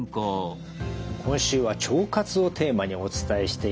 今週は腸活をテーマにお伝えしています。